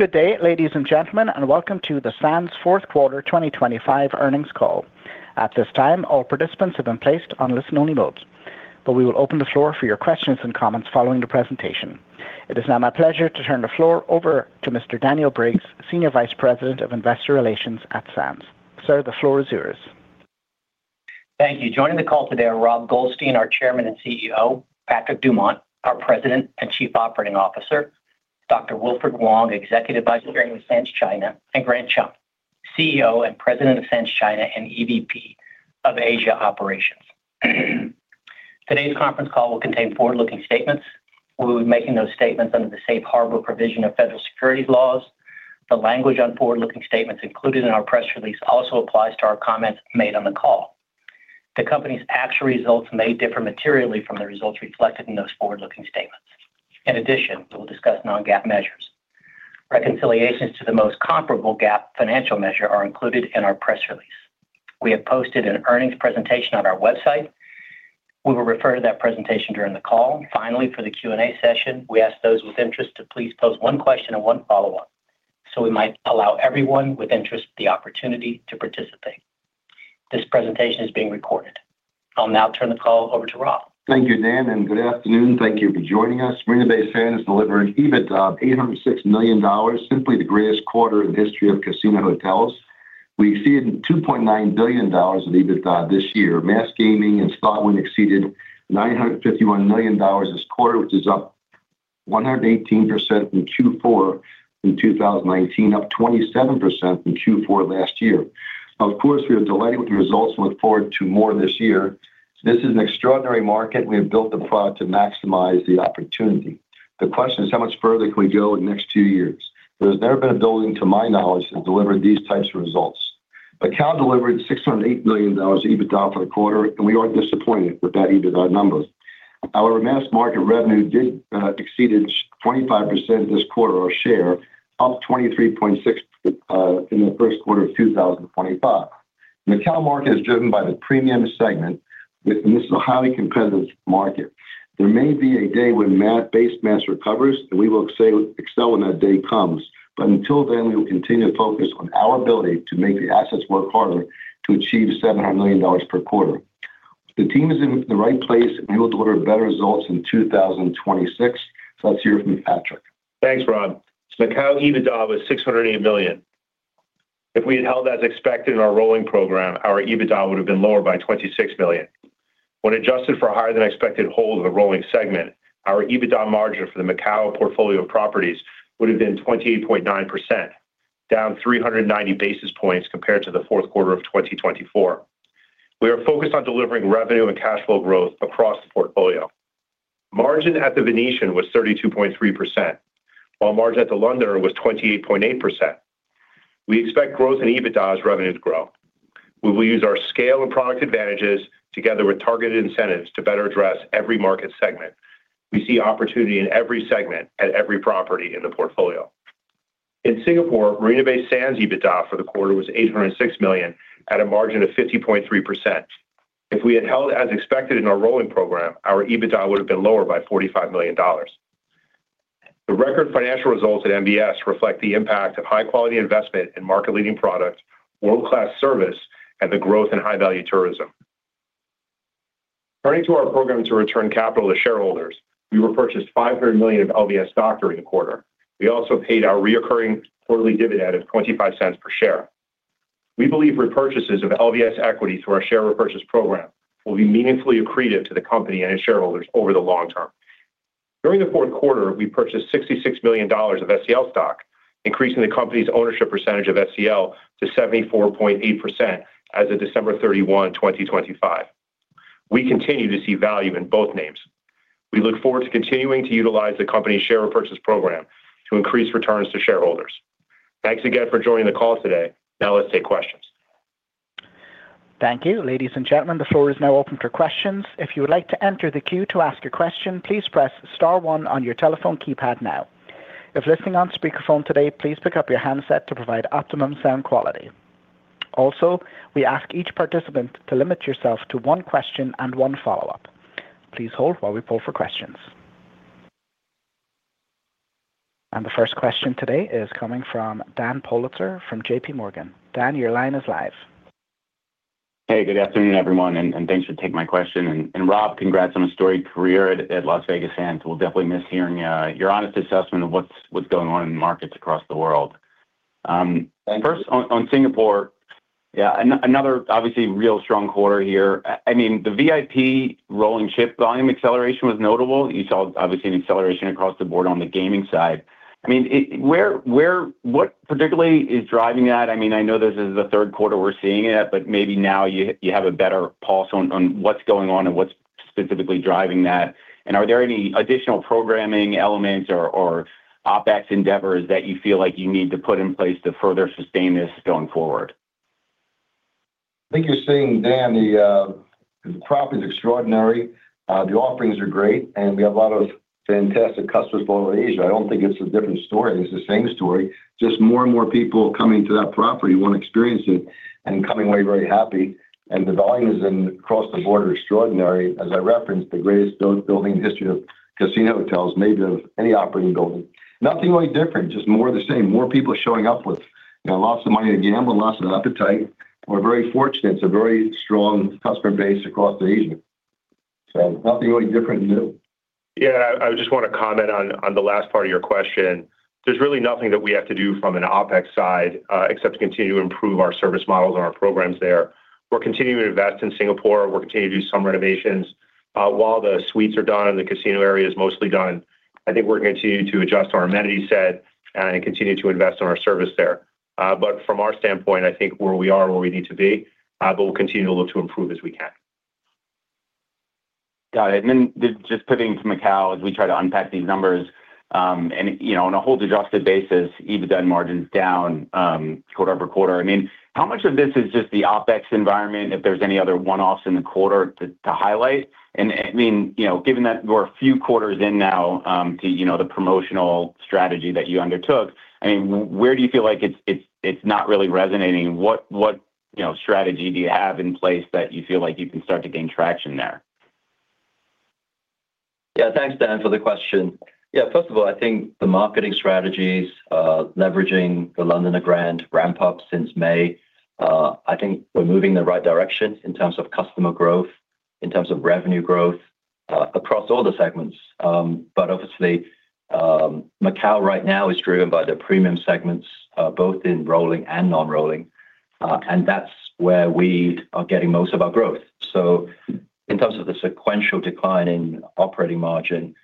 Good day, ladies and gentlemen, and welcome to the Sands fourth quarter 2025 earnings call. At this time, all participants have been placed on listen-only mode, but we will open the floor for your questions and comments following the presentation. It is now my pleasure to turn the floor over to Mr. Daniel Briggs, Senior Vice President of Investor Relations at Sands. Sir, the floor is yours. Thank you. Joining the call today are Rob Goldstein, our Chairman and CEO, Patrick Dumont, our President and Chief Operating Officer, Dr. Wilfred Wong, Executive Vice Chairman of Sands China, and Grant Chum, CEO and President of Sands China and EVP of Asia Operations. Today's conference call will contain forward-looking statements. We'll be making those statements under the safe harbor provision of federal securities laws. The language on forward-looking statements included in our press release also applies to our comments made on the call. The company's actual results may differ materially from the results reflected in those forward-looking statements. In addition, we'll discuss non-GAAP measures. Reconciliations to the most comparable GAAP financial measure are included in our press release. We have posted an earnings presentation on our website. We will refer to that presentation during the call. Finally, for the Q&A session, we ask those with interest to please pose one question and one follow-up, so we might allow everyone with interest the opportunity to participate. This presentation is being recorded. I'll now turn the call over to Rob. Thank you, Dan, and good afternoon. Thank you for joining us. Marina Bay Sands delivered an EBITDA of $806 million, simply the greatest quarter in the history of casino hotels. We exceeded $2.9 billion in EBITDA this year. Mass gaming in Singapore exceeded $951 million this quarter, which is up 118% from Q4 in 2019, up 27% from Q4 last year. Of course, we are delighted with the results and look forward to more this year. This is an extraordinary market. We have built the product to maximize the opportunity. The question is: how much further can we go in the next two years? There has never been a building, to my knowledge, that delivered these types of results. But Macau delivered $608 million EBITDA for the quarter, and we aren't disappointed with that EBITDA numbers. Our mass market revenue did exceed 25% this quarter or share, up 23.6 in the first quarter of 2025. Macau market is driven by the premium segment with and this is a highly competitive market. There may be a day when base mass recovers, and we will excel when that day comes. But until then, we will continue to focus on our ability to make the assets work harder to achieve $700 million per quarter. The team is in the right place, and we will deliver better results in 2026. So let's hear from Patrick. Thanks, Rob. Macau EBITDA was $608 million. If we had held as expected in our rolling program, our EBITDA would have been lower by $26 million. When adjusted for higher-than-expected hold of the rolling segment, our EBITDA margin for the Macau portfolio properties would have been 28.9%, down 390 basis points compared to the fourth quarter of 2024. We are focused on delivering revenue and cash flow growth across the portfolio. Margin at The Venetian was 32.3%, while margin at The Londoner was 28.8%. We expect growth in EBITDA as revenues grow. We will use our scale and product advantages together with targeted incentives to better address every market segment. We see opportunity in every segment at every property in the portfolio. In Singapore, Marina Bay Sands EBITDA for the quarter was $806 million at a margin of 50.3%. If we had held as expected in our rolling program, our EBITDA would have been lower by $45 million. The record financial results at MBS reflect the impact of high-quality investment in market-leading products, world-class service, and the growth in high-value tourism. Turning to our program to return capital to shareholders, we repurchased $500 million of LVS stock during the quarter. We also paid our recurring quarterly dividend of $0.25 per share. We believe repurchases of LVS equities through our share repurchase program will be meaningfully accretive to the company and its shareholders over the long term. During the fourth quarter, we purchased $66 million of SCL stock, increasing the company's ownership percentage of SCL to 74.8% as of December 31, 2025. We continue to see value in both names. We look forward to continuing to utilize the company's share repurchase program to increase returns to shareholders. Thanks again for joining the call today. Now let's take questions. Thank you. Ladies and gentlemen, the floor is now open for questions. If you would like to enter the queue to ask a question, please press star one on your telephone keypad now. If listening on speakerphone today, please pick up your handset to provide optimum sound quality. Also, we ask each participant to limit yourself to one question and one follow-up. Please hold while we poll for questions. And the first question today is coming from Dan Politzer from J.P. Morgan. Dan, your line is live. Hey, good afternoon, everyone, and thanks for taking my question. And Rob, congrats on a storied career at Las Vegas Sands. We'll definitely miss hearing your honest assessment of what's going on in markets across the world. Thank you. First, on Singapore, yeah, another obviously real strong quarter here. I mean, the VIP rolling chip volume acceleration was notable. You saw obviously an acceleration across the board on the gaming side. I mean, where—what particularly is driving that? I mean, I know this is the third quarter we're seeing it, but maybe now you have a better pulse on what's going on and what's specifically driving that. And are there any additional programming elements or OpEx endeavors that you feel like you need to put in place to further sustain this going forward? I think you're seeing, Dan, the property's extraordinary, the offerings are great, and we have a lot of fantastic customers all over Asia. I don't think it's a different story. It's the same story, just more and more people coming to that property, want to experience it, and coming away very happy. And the volumes, across the board are extraordinary, as I referenced, the greatest building in the history of casino hotels, maybe of any operating building. Nothing really different, just more of the same. More people showing up with, you know, lots of money to gamble, lots of appetite.... We're very fortunate. It's a very strong customer base across Asia. So nothing really different to do. Yeah, I just want to comment on, on the last part of your question. There's really nothing that we have to do from an OpEx side, except to continue to improve our service models and our programs there. We're continuing to invest in Singapore. We're continuing to do some renovations. While the suites are done and the casino area is mostly done, I think we're going to continue to adjust our amenities set and continue to invest in our service there. But from our standpoint, I think where we are, where we need to be, but we'll continue to look to improve as we can. Got it. And then just pivoting to Macau as we try to unpack these numbers, and, you know, on a hold-adjusted basis, EBITDA margin's down, quarter-over-quarter. I mean, how much of this is just the OpEx environment, if there's any other one-offs in the quarter to highlight? And, I mean, you know, given that we're a few quarters in now to, you know, the promotional strategy that you undertook, I mean, where do you feel like it's not really resonating? What, you know, strategy do you have in place that you feel like you can start to gain traction there? Yeah. Thanks, Dan, for the question. Yeah, first of all, I think the marketing strategies, leveraging the Londoner Grand ramp-up since May, I think we're moving in the right direction in terms of customer growth, in terms of revenue growth, across all the segments. But obviously, Macau right now is driven by the premium segments, both in rolling and non-rolling, and that's where we are getting most of our growth. So in terms of the sequential decline in operating margin,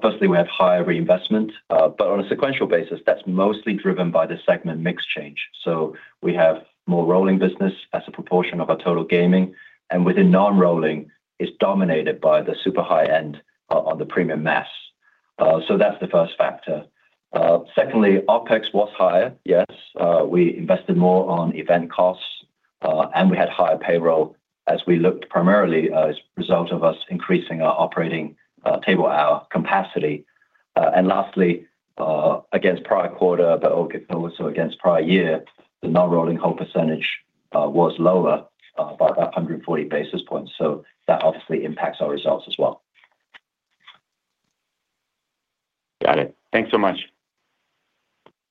firstly, we have higher reinvestment, but on a sequential basis, that's mostly driven by the segment mix change. So we have more rolling business as a proportion of our total gaming, and within non-rolling, it's dominated by the super high end of the premium mass. So that's the first factor. Secondly, OpEx was higher. Yes, we invested more on event costs, and we had higher payroll as we looked primarily as a result of us increasing our operating, table hour capacity. And lastly, against prior quarter, but also against prior year, the non-rolling hold percentage was lower by about 140 basis points, so that obviously impacts our results as well. Got it. Thanks so much.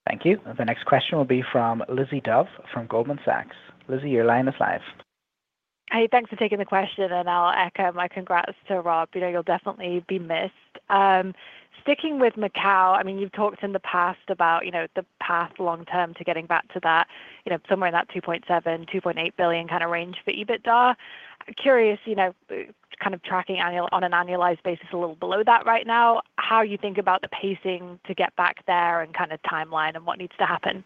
Thank you. The next question will be from Lizzie Dove from Goldman Sachs. Lizzy, your line is live. Hey, thanks for taking the question, and I'll echo my congrats to Rob. You know, you'll definitely be missed. Sticking with Macau, I mean, you've talked in the past about, you know, the path long term to getting back to that, you know, somewhere in that $2.7 billion-$2.8 billion kind of range for EBITDA. Curious, you know, kind of tracking on an annualized basis, a little below that right now, how you think about the pacing to get back there and kind of timeline and what needs to happen?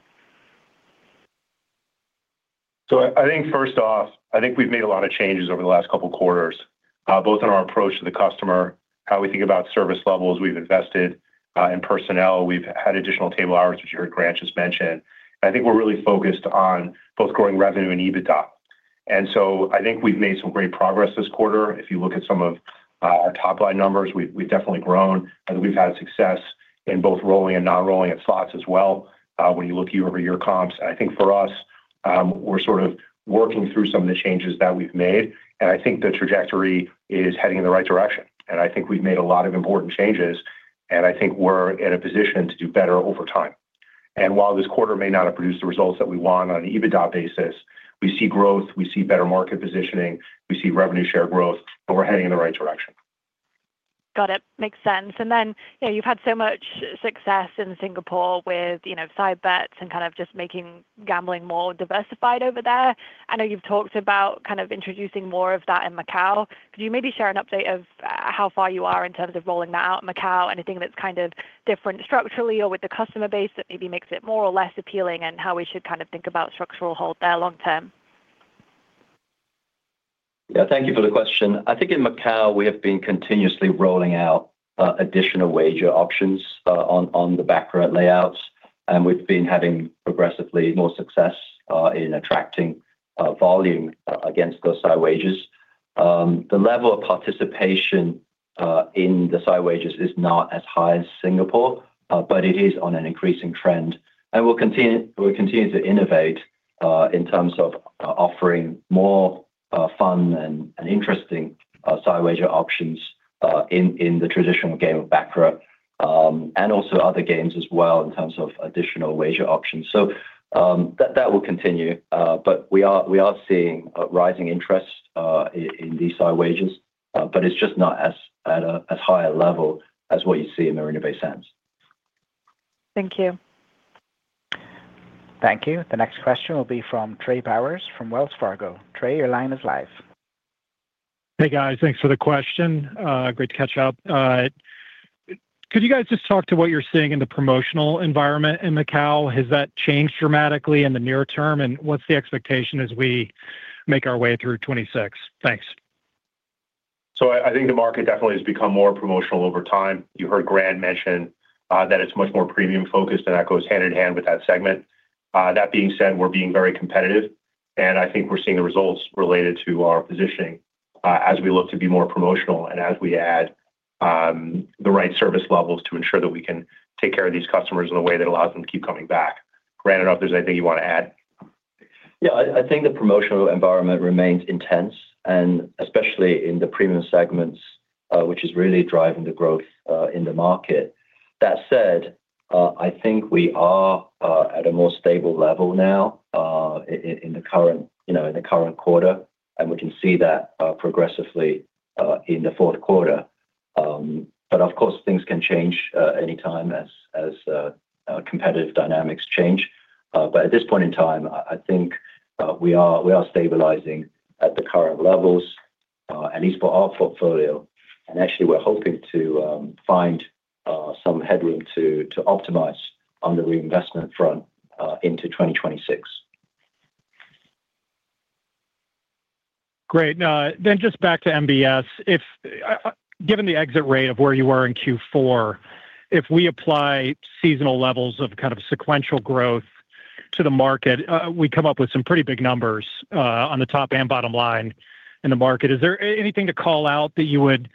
So I think first off, I think we've made a lot of changes over the last couple of quarters, both in our approach to the customer, how we think about service levels. We've invested in personnel. We've had additional table hours, which you heard Grant just mention. I think we're really focused on both growing revenue and EBITDA. And so I think we've made some great progress this quarter. If you look at some of our top-line numbers, we've definitely grown, and we've had success in both rolling and non-rolling at slots as well, when you look year-over-year comps. I think for us, we're sort of working through some of the changes that we've made, and I think the trajectory is heading in the right direction. I think we've made a lot of important changes, and I think we're in a position to do better over time. And while this quarter may not have produced the results that we want on an EBITDA basis, we see growth, we see better market positioning, we see revenue share growth, but we're heading in the right direction. Got it. Makes sense. And then, you know, you've had so much success in Singapore with, you know, side bets and kind of just making gambling more diversified over there. I know you've talked about kind of introducing more of that in Macau. Could you maybe share an update of how far you are in terms of rolling that out in Macau? Anything that's kind of different structurally or with the customer base that maybe makes it more or less appealing, and how we should kind of think about structural hold there long term. Yeah, thank you for the question. I think in Macau, we have been continuously rolling out additional wager options on the baccarat layouts, and we've been having progressively more success in attracting volume against those side wagers. The level of participation in the side wagers is not as high as Singapore, but it is on an increasing trend. We'll continue to innovate in terms of offering more fun and interesting side wager options in the traditional game of baccarat, and also other games as well, in terms of additional wager options. That will continue, but we are seeing a rising interest in these side wagers, but it's just not at as high a level as what you see in Marina Bay Sands. Thank you. Thank you. The next question will be from Trey Powers from Wells Fargo. Trey, your line is live. Hey, guys. Thanks for the question. Great to catch up. Could you guys just talk to what you're seeing in the promotional environment in Macau? Has that changed dramatically in the near term, and what's the expectation as we make our way through 2026? Thanks. So I think the market definitely has become more promotional over time. You heard Grant mention that it's much more premium-focused, and that goes hand-in-hand with that segment. That being said, we're being very competitive, and I think we're seeing the results related to our positioning as we look to be more promotional and as we add the right service levels to ensure that we can take care of these customers in a way that allows them to keep coming back. Grant, I don't know if there's anything you want to add? Yeah, I think the promotional environment remains intense, and especially in the premium segments, which is really driving the growth in the market. That said, I think we are at a more stable level now, in the current, you know, in the current quarter, and we can see that progressively in the fourth quarter. But of course, things can change anytime as competitive dynamics change. But at this point in time, I think we are stabilizing at the current levels at least for our portfolio. And actually, we're hoping to find some headroom to optimize on the reinvestment front into 2026. Great. Now, then just back to MBS. If, given the exit rate of where you were in Q4, if we apply seasonal levels of kind of sequential growth to the market, we come up with some pretty big numbers on the top and bottom line in the market. Is there anything to call out that you would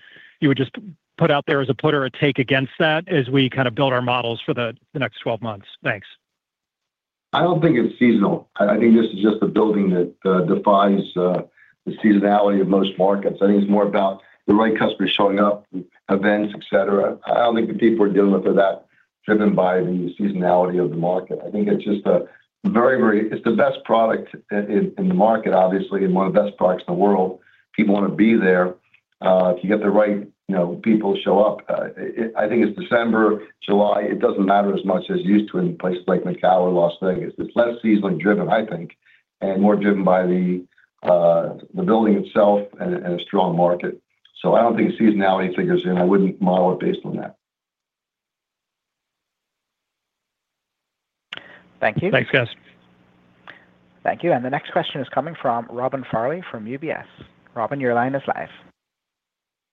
just put out there as a put or a take against that, as we kind of build our models for the next 12 months? Thanks. I don't think it's seasonal. I think this is just a building that defies the seasonality of most markets. I think it's more about the right customers showing up, events, et cetera. I don't think the people are dealing with are that driven by the seasonality of the market. I think it's just a very, very... It's the best product in the market, obviously, and one of the best products in the world. People want to be there. If you get the right, you know, people show up, I think it's December, July, it doesn't matter as much as it used to in places like Macau or Las Vegas. It's less seasonally driven, I think, and more driven by the building itself and a strong market. So I don't think seasonality figures in, I wouldn't model it based on that. Thank you. Thanks, guys. Thank you, and the next question is coming from Robin Farley from UBS. Robin, your line is live.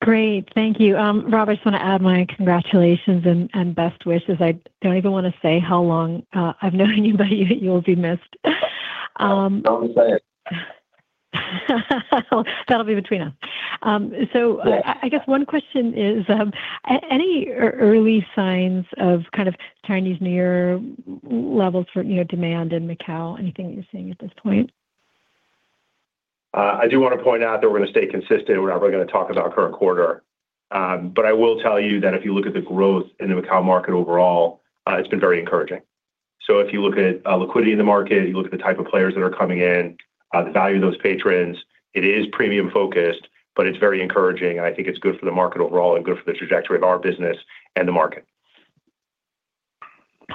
Great, thank you. Rob, I just want to add my congratulations and best wishes. I don't even want to say how long I've known you, but you will be missed. Don't say it. That'll be between us. Yeah... I guess one question is, any early signs of kind of Chinese New Year levels for, you know, demand in Macau? Anything you're seeing at this point? I do want to point out that we're going to stay consistent, we're not really going to talk about our current quarter. But I will tell you that if you look at the growth in the Macau market overall, it's been very encouraging. So if you look at liquidity in the market, you look at the type of players that are coming in, the value of those patrons, it is premium focused, but it's very encouraging, and I think it's good for the market overall and good for the trajectory of our business and the market.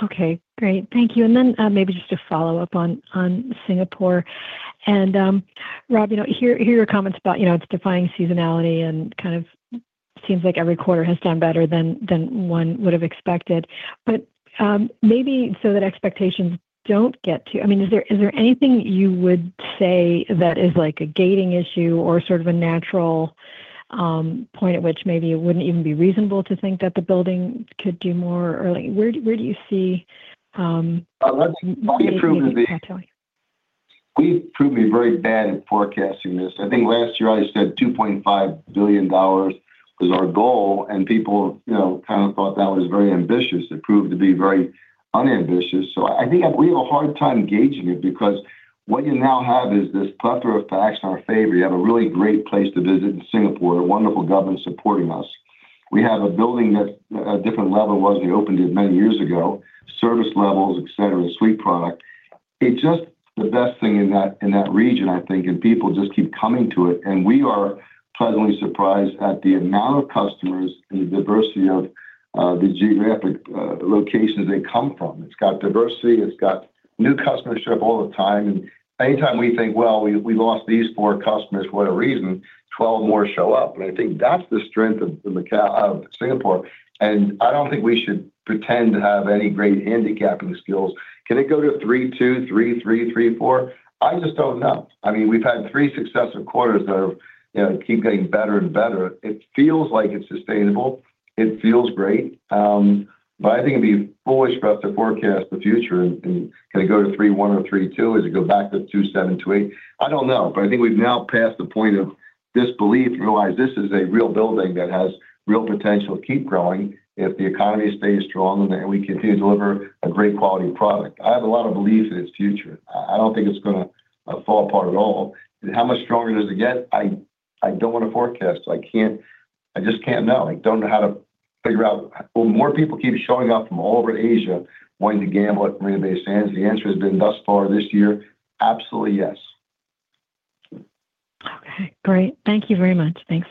Okay, great. Thank you, and then maybe just a follow-up on Singapore. And Rob, you know, hear, hear your comments about, you know, it's defying seasonality and kind of seems like every quarter has done better than one would have expected. But maybe so that expectations don't get too... I mean, is there anything you would say that is like a gating issue or sort of a natural point at which maybe it wouldn't even be reasonable to think that the building could do more? Or, like, where do you see We've proven to be- I'll tell you. We've proven to be very bad at forecasting this. I think last year I said $2.5 billion was our goal, and people, you know, kind of thought that was very ambitious. It proved to be very unambitious. So I think we have a hard time gauging it because what you now have is this plethora of facts in our favor. You have a really great place to visit in Singapore, a wonderful government supporting us. We have a building that's a different level than when we opened it many years ago, service levels, et cetera, suite product. It's just the best thing in that, in that region, I think, and people just keep coming to it. And we are pleasantly surprised at the amount of customers and the diversity of the geographic locations they come from. It's got diversity, it's got new customers show up all the time, and anytime we think, "Well, we lost these four customers for a reason," 12 more show up. And I think that's the strength of, of Macau, of Singapore, and I don't think we should pretend to have any great handicapping skills. Can it go to 3.2, 3.3, 3.4? I just don't know. I mean, we've had three successive quarters that have, you know, keep getting better and better. It feels like it's sustainable. It feels great. But I think it'd be foolish for us to forecast the future, and can it go to 3.1 or 3.2? Does it go back to 2.7, 2.8? I don't know, but I think we've now passed the point of disbelief, realize this is a real building that has real potential to keep growing if the economy stays strong and we continue to deliver a great quality product. I have a lot of belief in its future. I, I don't think it's going to, fall apart at all. How much stronger does it get? I, I don't want to forecast, so I can't. I just can't know. I don't know how to figure out, will more people keep showing up from all over Asia wanting to gamble at Marina Bay Sands? The answer has been thus far this year, absolutely, yes. Okay, great. Thank you very much. Thanks.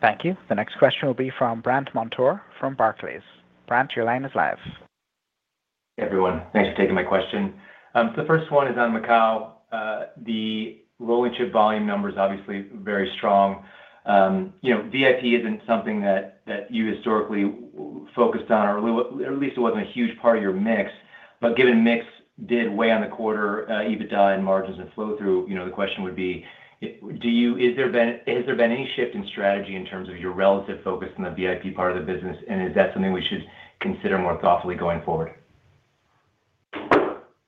Thank you. The next question will be from Brant Montour from Barclays. Brant, your line is live. Hey, everyone. Thanks for taking my question. So the first one is on Macau. The rolling chip volume number is obviously very strong. You know, VIP isn't something that, that you historically focused on, or at least it wasn't a huge part of your mix. But given mix did weigh on the quarter, EBITDA and margins and flow through, you know, the question would be: Do you- Has there been, has there been any shift in strategy in terms of your relative focus on the VIP part of the business, and is that something we should consider more thoughtfully going forward?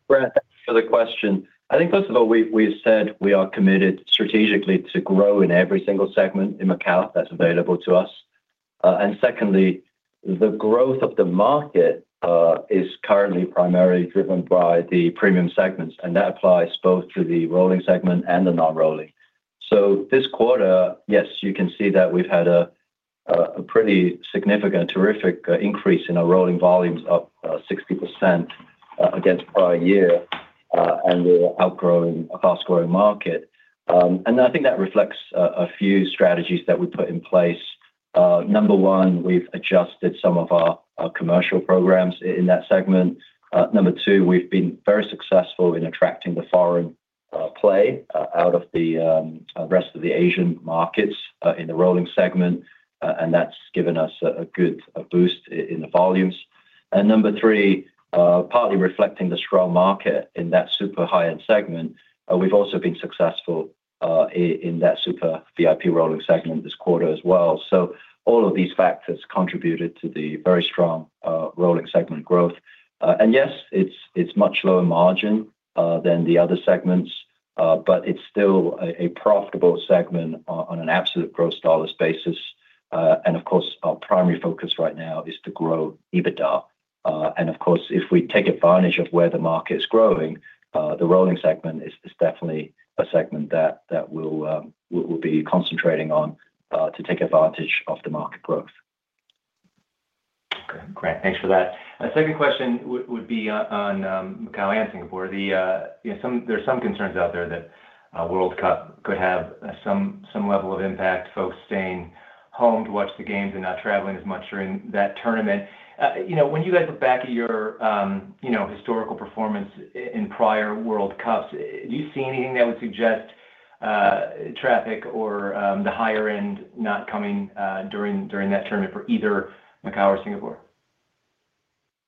Brant, thanks for the question. I think, first of all, we, we've said we are committed strategically to grow in every single segment in Macau that's available to us. And secondly, the growth of the market is currently primarily driven by the premium segments, and that applies both to the rolling segment and the non-rolling. So this quarter, yes, you can see that we've had a pretty significant, terrific increase in our rolling volumes, up 60% against prior year, and we're outgrowing a fast-growing market. And I think that reflects a few strategies that we put in place. Number one, we've adjusted some of our our commercial programs in that segment. Number two, we've been very successful in attracting the foreign play out of the rest of the Asian markets in the rolling segment, and that's given us a good boost in the volumes. Number three, partly reflecting the strong market in that super high-end segment, we've also been successful in that super VIP rolling segment this quarter as well. So all of these factors contributed to the very strong rolling segment growth. And yes, it's much lower margin than the other segments, but it's still a profitable segment on an absolute gross dollars basis. And of course, our primary focus right now is to grow EBITDA. Of course, if we take advantage of where the market is growing, the rolling segment is definitely a segment that we'll be concentrating on to take advantage of the market growth. Okay, great. Thanks for that. A second question would be on Macau and Singapore. You know, some concerns out there that World Cup could have some level of impact, folks staying home to watch the games and not traveling as much during that tournament. You know, when you guys look back at your historical performance in prior World Cups, do you see anything that would suggest traffic or the higher end not coming during that tournament for either Macau or Singapore?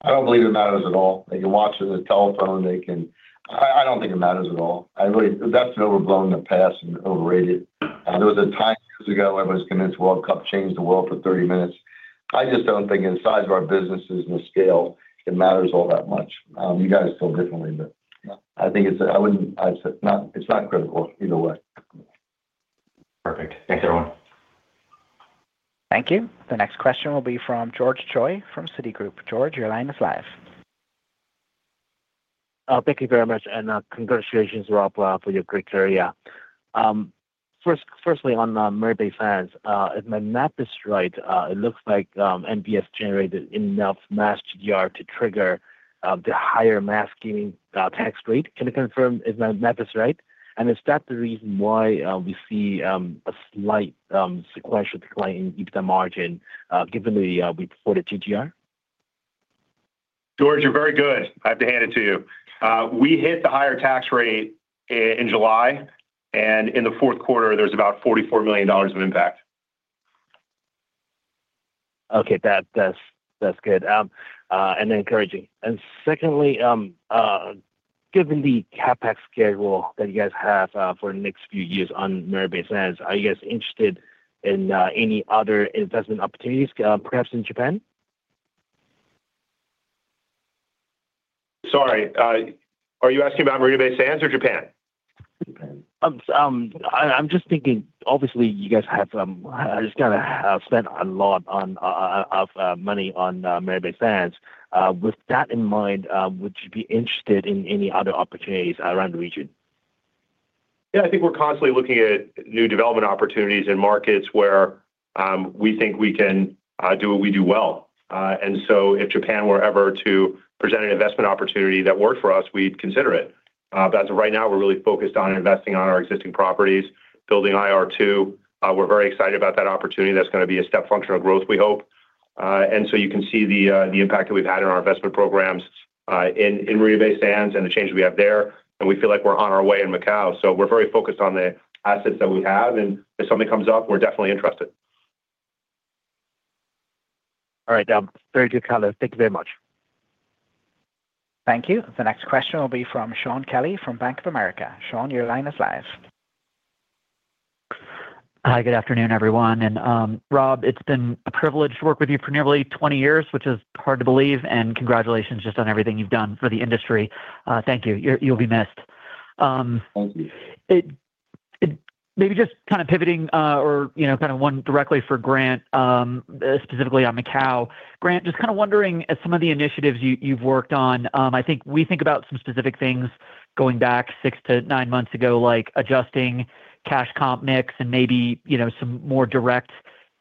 I don't believe it matters at all. They can watch it on the telephone. They can... I don't think it matters at all. I really-- That's been overblown in the past and overrated. There was a time years ago where everyone was convinced World Cup changed the world for 30 minutes. I just don't think in the size of our businesses and the scale, it matters all that much. You guys feel differently, but I think it's a-- I wouldn't, I've said, not, it's not critical either way. Perfect. Thanks, everyone. Thank you. The next question will be from George Choi, from Citigroup. George, your line is live. Thank you very much, and, congratulations, Rob, for your great era. First, firstly, on the Marina Bay Sands, if my math is right, it looks like, MBS generated enough mass GGR to trigger, the higher mass gaming, tax rate. Can you confirm if my math is right? And is that the reason why, we see, a slight, sequential decline in EBITDA margin, given the, we reported GGR? George, you're very good. I have to hand it to you. We hit the higher tax rate in July, and in the fourth quarter, there's about $44 million of impact. Okay, that's good and encouraging. Secondly, given the CapEx schedule that you guys have for the next few years on Marina Bay Sands, are you guys interested in any other investment opportunities, perhaps in Japan? Sorry, are you asking about Marina Bay Sands or Japan? I'm just thinking, obviously, you guys have just kinda spent a lot of money on Marina Bay Sands. With that in mind, would you be interested in any other opportunities around the region? Yeah, I think we're constantly looking at new development opportunities in markets where we think we can do what we do well. And so if Japan were ever to present an investment opportunity that worked for us, we'd consider it. But right now, we're really focused on investing on our existing properties, building IR2. We're very excited about that opportunity. That's gonna be a step function of growth, we hope. And so you can see the impact that we've had on our investment programs in Marina Bay Sands and the change we have there, and we feel like we're on our way in Macau. So we're very focused on the assets that we have, and if something comes up, we're definitely interested. All right, very good color. Thank you very much. Thank you. The next question will be from Shaun Kelley from Bank of America. Shaun, your line is live. Hi, good afternoon, everyone. Rob, it's been a privilege to work with you for nearly 20 years, which is hard to believe, and congratulations just on everything you've done for the industry. Thank you. You'll be missed. Thank you. Maybe just kind of pivoting, or, you know, kind of one directly for Grant, specifically on Macau. Grant, just kind of wondering, as some of the initiatives you've worked on, I think we think about some specific things going back six to nine months ago, like adjusting cash comp mix and maybe, you know, some more direct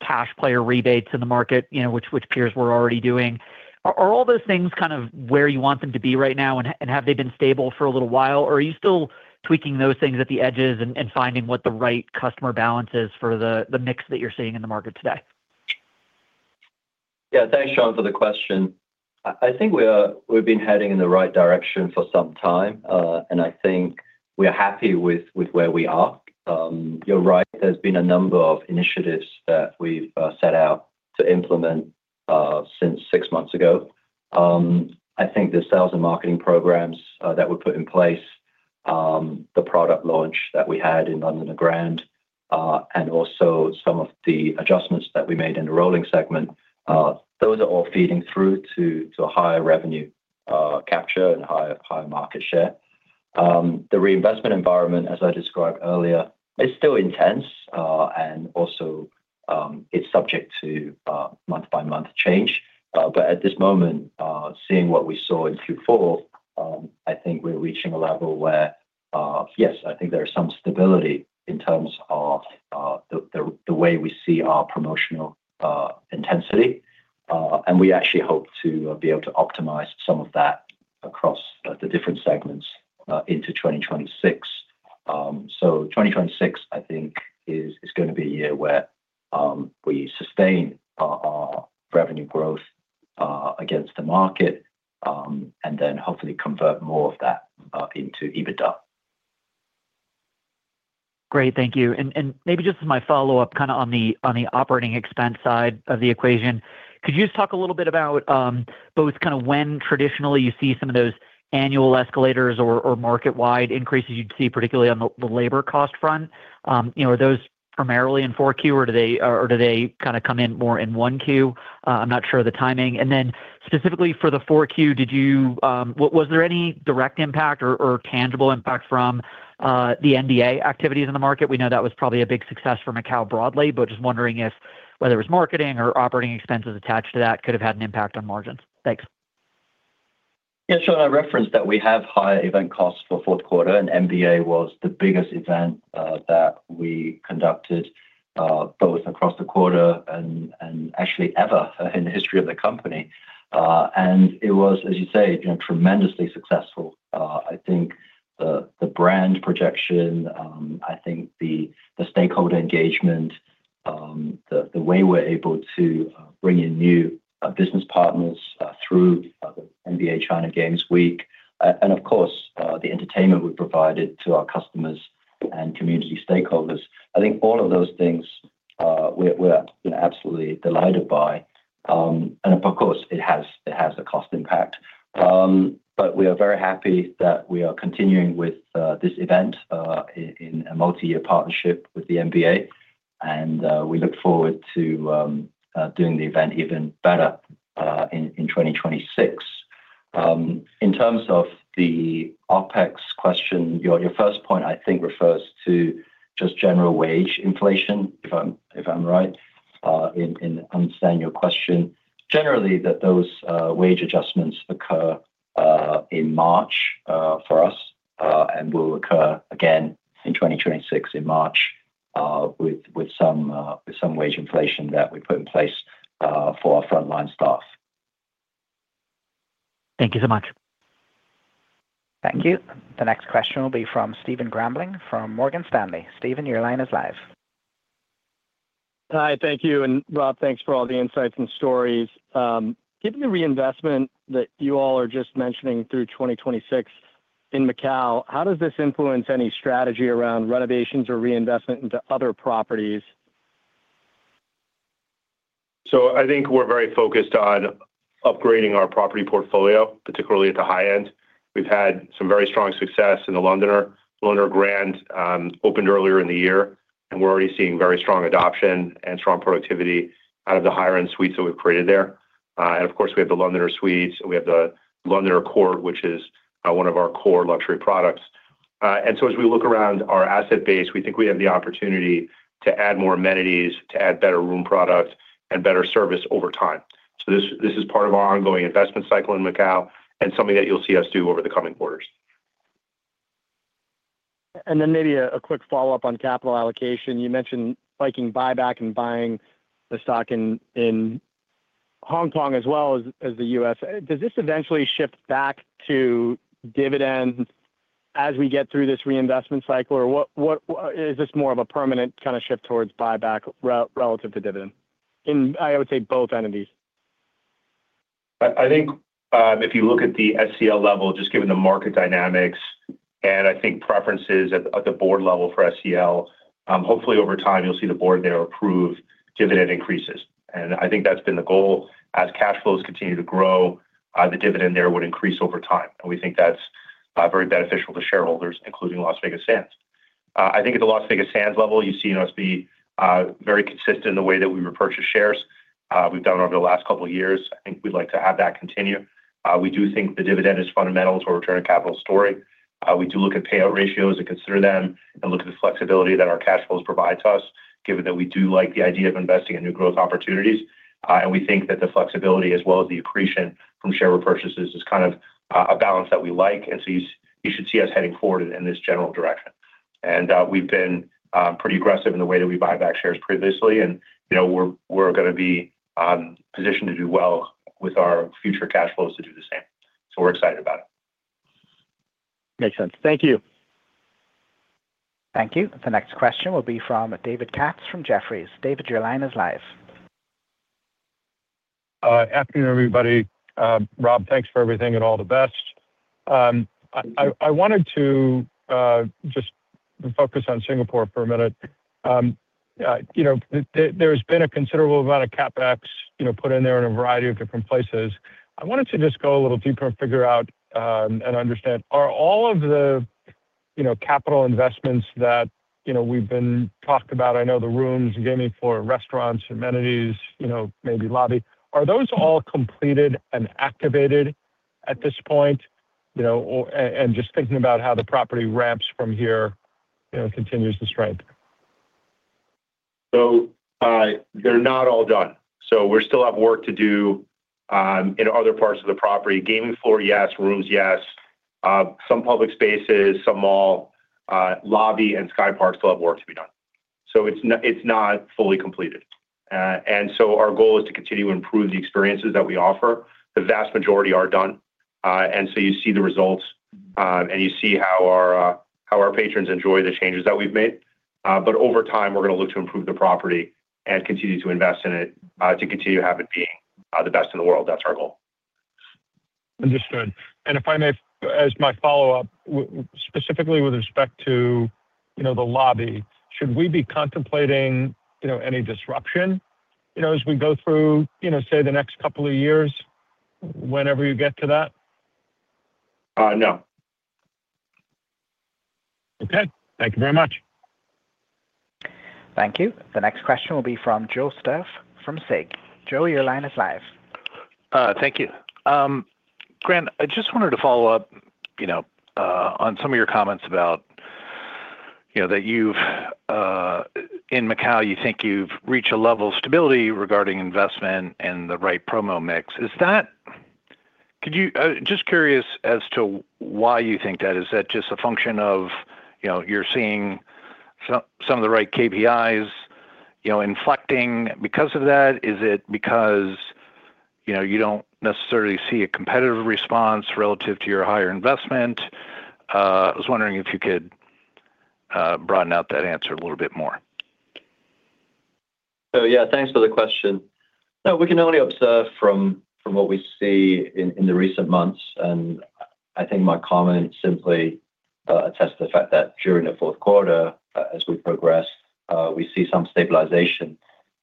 cash player rebates in the market, you know, which peers were already doing. Are all those things kind of where you want them to be right now, and have they been stable for a little while, or are you still tweaking those things at the edges and finding what the right customer balance is for the mix that you're seeing in the market today? Yeah. Thanks, Sean, for the question. I think we've been heading in the right direction for some time, and I think we're happy with where we are. You're right, there's been a number of initiatives that we've set out to implement since six months ago. I think the sales and marketing programs that were put in place, the product launch that we had in Londoner Grand, and also some of the adjustments that we made in the rolling segment. Those are all feeding through to a higher revenue capture and higher market share. The reinvestment environment, as I described earlier, is still intense, and also it's subject to month-by-month change. But at this moment, seeing what we saw in Q4, I think we're reaching a level where, yes, I think there is some stability in terms of the way we see our promotional intensity. And we actually hope to be able to optimize some of that across the different segments into 2026. So 2026, I think, is gonna be a year where we sustain our revenue growth against the market, and then hopefully convert more of that into EBITDA. Great. Thank you. And maybe just as my follow-up, kind of, on the operating expense side of the equation, could you just talk a little bit about both kind of when traditionally you see some of those annual escalators or market-wide increases you'd see, particularly on the labor cost front? You know, are those primarily in 4Q, or do they kind of come in more in 1Q? I'm not sure of the timing. And then specifically for the 4Q, was there any direct impact or tangible impact from the NBA activities in the market? We know that was probably a big success for Macau broadly, but just wondering if whether it was marketing or operating expenses attached to that could have had an impact on margins. Thanks. Yeah, sure. I referenced that we have higher event costs for fourth quarter, and NBA was the biggest event that we conducted both across the quarter and actually ever in the history of the company. And it was, as you say, you know, tremendously successful. I think the brand projection, I think the stakeholder engagement, the way we're able to bring in new business partners through the NBA China Games Week, and of course, the entertainment we provided to our customers and community stakeholders. I think all of those things, we're absolutely delighted by. And of course, it has a cost impact. But we are very happy that we are continuing with this event in a multi-year partnership with the NBA, and we look forward to doing the event even better in 2026. In terms of the OpEx question, your first point, I think, refers to just general wage inflation, if I'm right in understanding your question. Generally, those wage adjustments occur in March for us and will occur again in 2026, in March with some wage inflation that we put in place for our frontline staff. Thank you so much. Thank you. The next question will be from Stephen Grambling from Morgan Stanley. Steven, your line is live. Hi, thank you. And Rob, thanks for all the insights and stories. Given the reinvestment that you all are just mentioning through 2026 in Macau, how does this influence any strategy around renovations or reinvestment into other properties? So I think we're very focused on upgrading our property portfolio, particularly at the high end. We've had some very strong success in The Londoner. The Londoner Grand opened earlier in the year, and we're already seeing very strong adoption and strong productivity out of the higher-end suites that we've created there. And of course, we have the Londoner Suites, and we have the Londoner Court, which is one of our core luxury products. And so as we look around our asset base, we think we have the opportunity to add more amenities, to add better room product and better service over time. So this, this is part of our ongoing investment cycle in Macau and something that you'll see us do over the coming quarters. Then maybe a quick follow-up on capital allocation. You mentioned liking buyback and buying the stock in Hong Kong as well as the U.S. Does this eventually shift back to dividends as we get through this reinvestment cycle? Or is this more of a permanent kind of shift towards buyback relative to dividend? In, I would say, both entities. I think, if you look at the SCL level, just given the market dynamics and I think preferences at the board level for SCL, hopefully, over time, you'll see the board there approve dividend increases. I think that's been the goal. As cash flows continue to grow, the dividend there would increase over time, and we think that's very beneficial to shareholders, including Las Vegas Sands. I think at the Las Vegas Sands level, you've seen us be very consistent in the way that we repurchase shares we've done over the last couple of years. I think we'd like to have that continue. We do think the dividend is fundamental to our return on capital story. We do look at payout ratios and consider them and look at the flexibility that our cash flows provide to us, given that we do like the idea of investing in new growth opportunities. We think that the flexibility, as well as the accretion from share repurchases, is kind of a balance that we like. So you should see us heading forward in this general direction. We've been pretty aggressive in the way that we buy back shares previously, and, you know, we're gonna be positioned to do well with our future cash flows to do the same. So we're excited about it. Makes sense. Thank you. Thank you. The next question will be from David Katz from Jefferies. David, your line is live. Afternoon, everybody. Rob, thanks for everything, and all the best. I wanted to just focus on Singapore for a minute. You know, there's been a considerable amount of CapEx, you know, put in there in a variety of different places. I wanted to just go a little deeper and figure out, and understand, are all of the-... you know, capital investments that, you know, we've been talked about. I know the rooms, gaming floor, restaurants, amenities, you know, maybe lobby. Are those all completed and activated at this point? You know, just thinking about how the property ramps from here, you know, continues to strength. So, they're not all done, so we still have work to do, in other parts of the property. Gaming floor, yes. Rooms, yes. Some public spaces, some mall, lobby, and SkyPark still have work to be done. So it's not, it's not fully completed. And so our goal is to continue to improve the experiences that we offer. The vast majority are done, and so you see the results, and you see how our, how our patrons enjoy the changes that we've made. But over time, we're going to look to improve the property and continue to invest in it, to continue to have it being, the best in the world. That's our goal. Understood. And if I may, as my follow-up, specifically with respect to, you know, the lobby, should we be contemplating, you know, any disruption, you know, as we go through, you know, say, the next couple of years, whenever you get to that? Uh, no. Okay. Thank you very much. Thank you. The next question will be from Joe Stauff from SIG. Joe, your line is live. Thank you. Grant, I just wanted to follow up, you know, on some of your comments about, you know, that you've... In Macau, you think you've reached a level of stability regarding investment and the right promo mix. Just curious as to why you think that. Is that just a function of, you know, you're seeing some of the right KPIs, you know, inflecting because of that? Is it because, you know, you don't necessarily see a competitive response relative to your higher investment? I was wondering if you could broaden out that answer a little bit more. So, yeah, thanks for the question. No, we can only observe from what we see in the recent months, and I think my comment simply attest to the fact that during the fourth quarter, as we progress, we see some stabilization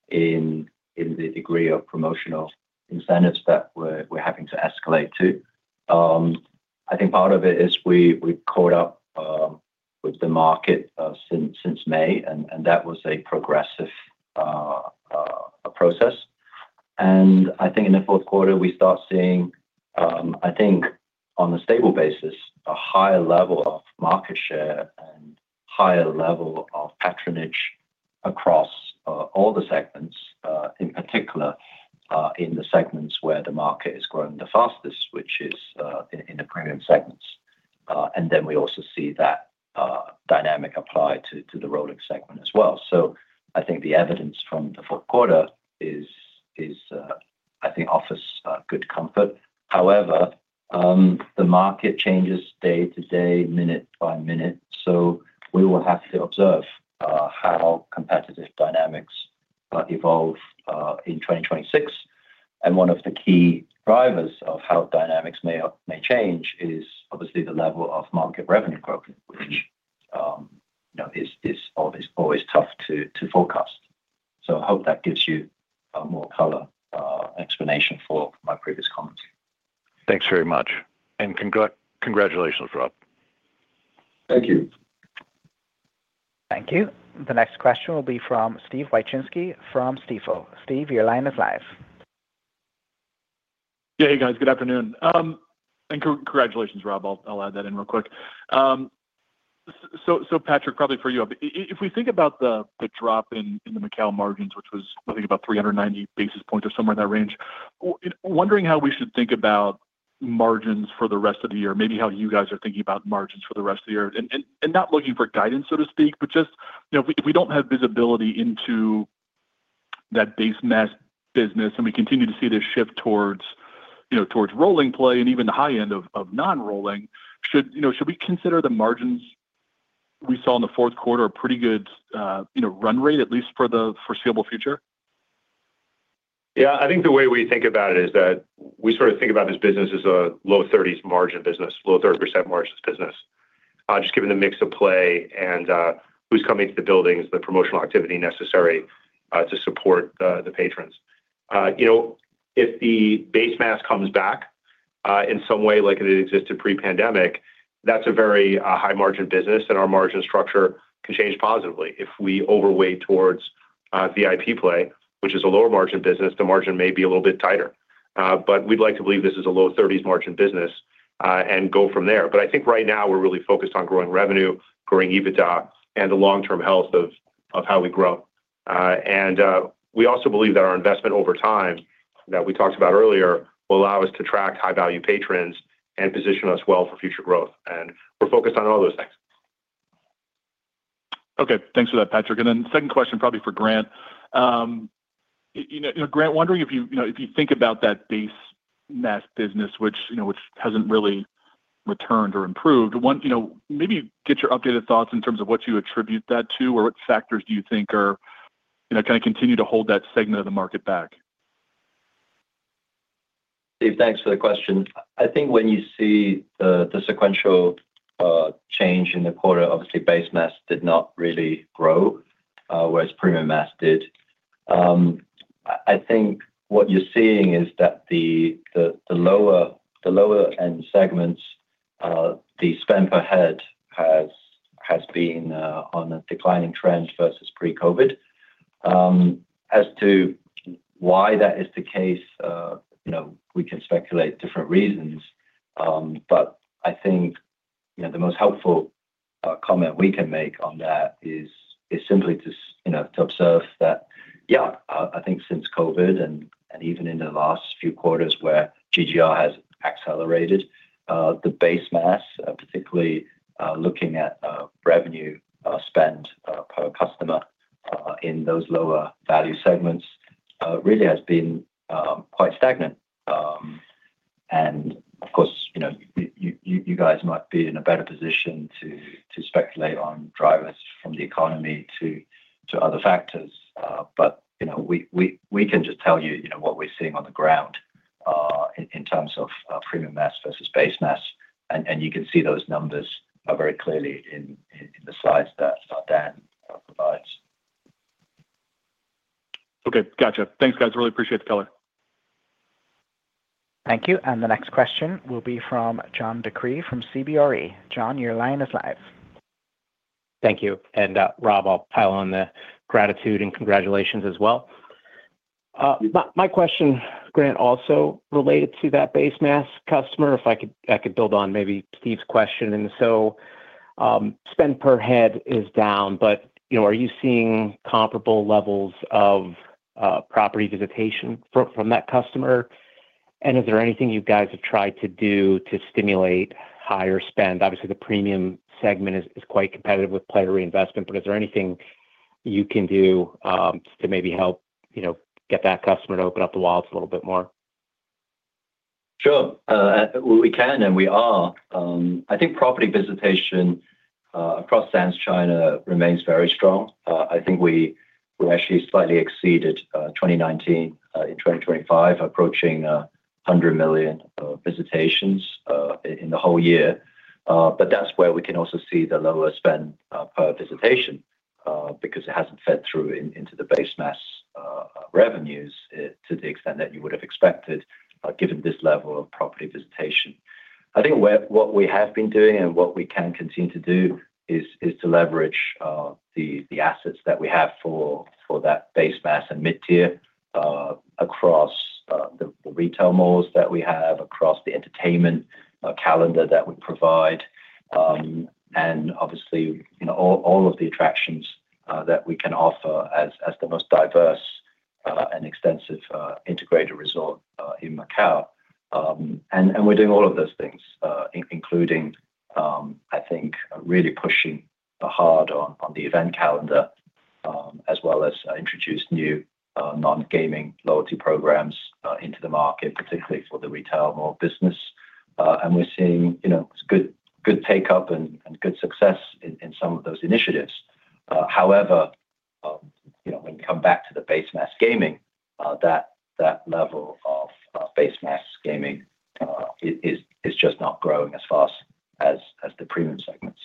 in the degree of promotional incentives that we're having to escalate to. I think part of it is we caught up with the market since May, and that was a progressive process. I think in the fourth quarter, we start seeing, I think on a stable basis, a higher level of market share and higher level of patronage across all the segments, in particular, in the segments where the market is growing the fastest, which is in the premium segments. And then we also see that dynamic applied to the rolling segment as well. So I think the evidence from the fourth quarter is, I think, offers good comfort. However, the market changes day to day, minute by minute, so we will have to observe how competitive dynamics evolve in 2026. And one of the key drivers of how dynamics may change is obviously the level of market revenue growth, which, you know, is obviously always tough to forecast. So I hope that gives you more color, explanation for my previous comments. Thanks very much, and congratulations, Rob. Thank you. Thank you. The next question will be from Steven Wieczynski, from Stifel. Steve, your line is live. Yeah, hey, guys. Good afternoon. And congratulations, Rob. I'll add that in real quick. So, Patrick, probably for you. If we think about the drop in the Macau margins, which was, I think, about 390 basis points or somewhere in that range, wondering how we should think about margins for the rest of the year, maybe how you guys are thinking about margins for the rest of the year? Not looking for guidance, so to speak, but just, you know, if we, if we don't have visibility into that base mass business and we continue to see this shift towards, you know, towards rolling play and even the high end of non-rolling, should, you know, should we consider the margins we saw in the fourth quarter a pretty good, you know, run rate, at least for the foreseeable future? Yeah. I think the way we think about it is that we sort of think about this business as a low 30s margin business, low 30% margin business. Just given the mix of play and who's coming to the buildings, the promotional activity necessary to support the patrons. You know, if the base mass comes back in some way, like it existed pre-pandemic, that's a very high-margin business, and our margin structure can change positively. If we overweight towards VIP play, which is a lower margin business, the margin may be a little bit tighter. But we'd like to believe this is a low 30s margin business and go from there. But I think right now we're really focused on growing revenue, growing EBITDA, and the long-term health of how we grow. And we also believe that our investment over time, that we talked about earlier, will allow us to attract high-value patrons and position us well for future growth, and we're focused on all those things. Okay. Thanks for that, Patrick. And then second question, probably for Grant. You know, you know, Grant, wondering if you, you know, if you think about that Base Mass business which, you know, which hasn't really returned or improved, one, you know, maybe get your updated thoughts in terms of what you attribute that to, or what factors do you think are, you know, kind of continue to hold that segment of the market back? Steve, thanks for the question. I think when you see the sequential change in the quarter, obviously, base mass did not really grow, whereas premium mass did. I think what you're seeing is that the lower end segments, the spend per head has been on a declining trend versus pre-COVID. As to why that is the case, you know, we can speculate different reasons. But I think, you know, the most helpful comment we can make on that is simply to, you know, to observe that, yeah, I think since COVID and even in the last few quarters where GGR has accelerated, the base mass, particularly, looking at revenue, spend per customer, in those lower value segments, really has been quite stagnant. And of course, you know, you guys might be in a better position to speculate on drivers from the economy to other factors. But you know, we can just tell you, you know, what we're seeing on the ground, in terms of premium mass versus base mass, and you can see those numbers very clearly in the slides that Dan provides. Okay. Gotcha. Thanks, guys. Really appreciate the color. Thank you. And the next question will be from John DeCree from CBRE. John, your line is live. Thank you. And, Rob, I'll pile on the gratitude and congratulations as well. My question, Grant, also related to that base mass customer, if I could. I could build on maybe Steve's question. And so, spend per head is down, but, you know, are you seeing comparable levels of, property visitation from, that customer? And is there anything you guys have tried to do to stimulate higher spend? Obviously, the premium segment is quite competitive with player reinvestment, but is there anything you can do, to maybe help, you know, get that customer to open up the wallets a little bit more? Sure. We can and we are. I think property visitation across Sands China remains very strong. I think we actually slightly exceeded 2019 in 2025, approaching 100 million visitations in the whole year. But that's where we can also see the lower spend per visitation because it hasn't fed through into the base mass revenues to the extent that you would have expected given this level of property visitation. I think what we have been doing and what we can continue to do is to leverage the assets that we have for that base mass and mid-tier across the retail malls that we have, across the entertainment calendar that we provide. And obviously, you know, all of the attractions that we can offer as the most diverse and extensive integrated resort in Macau. And we're doing all of those things, including, I think really pushing hard on the event calendar, as well as introduce new non-gaming loyalty programs into the market, particularly for the retail mall business. And we're seeing, you know, good take-up and good success in some of those initiatives. However, you know, when you come back to the base mass gaming, that level of base mass gaming is just not growing as fast as the premium segments.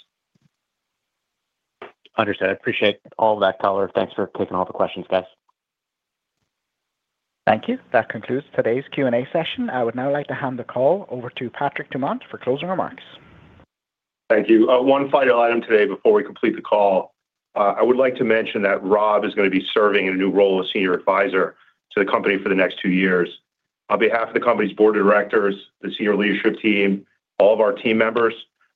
Understood. I appreciate all that color. Thanks for taking all the questions, guys. Thank you. That concludes today's Q&A session. I would now like to hand the call over to Patrick Dumont for closing remarks. Thank you. One final item today before we complete the call. I would like to mention that Rob is going to be serving in a new role as senior advisor to the company for the next 2 years. On behalf of the company's board of directors, the senior leadership team, all of our team members,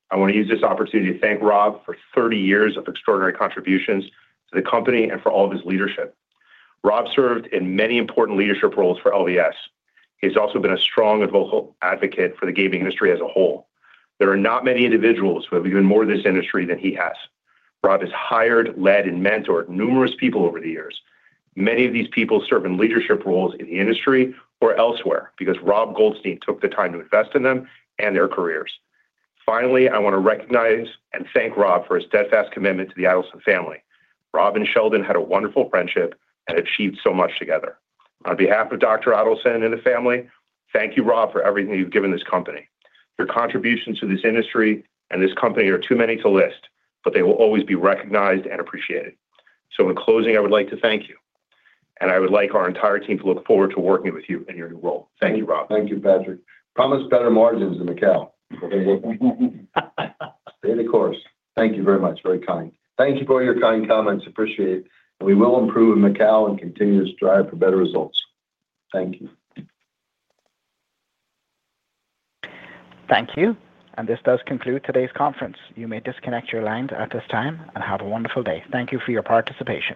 I want to use this opportunity to thank Rob for 30 years of extraordinary contributions to the company and for all of his leadership. Rob served in many important leadership roles for LVS. He's also been a strong and vocal advocate for the gaming industry as a whole. There are not many individuals who have given more to this industry than he has. Rob has hired, led, and mentored numerous people over the years. Many of these people serve in leadership roles in the industry or elsewhere because Rob Goldstein took the time to invest in them and their careers. Finally, I want to recognize and thank Rob for his steadfast commitment to the Adelson family. Rob and Sheldon had a wonderful friendship and achieved so much together. On behalf of Dr. Adelson and the family, thank you, Rob, for everything you've given this company. Your contributions to this industry and this company are too many to list, but they will always be recognized and appreciated. So in closing, I would like to thank you, and I would like our entire team to look forward to working with you in your new role. Thank you, Rob. Thank you, Patrick. Promise better margins in Macau. Stay the course. Thank you very much. Very kind. Thank you for your kind comments. Appreciate it, and we will improve in Macau and continue to strive for better results. Thank you. Thank you, and this does conclude today's conference. You may disconnect your lines at this time, and have a wonderful day. Thank you for your participation.